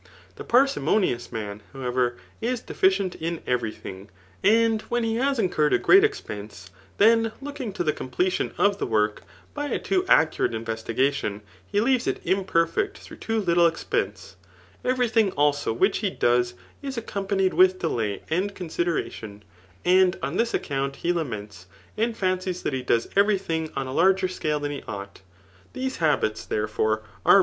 The parsimonious man, however, is deficient in every thing ; and when he has incurred a great expense, then locking to the completion of the work, by a too accurate invesdgaticm, he leaves it imperfect through too tittte expense* Every thing alsa which he does is accom* " panied with delay and consideration ; and on this account he hvnents, and fancies that he does every thing on a l^ger ecate tfajoihe oughts These habits, dieref<»e, are Digitized by Google 128 THE NICO^ACHEAN BOOK IV.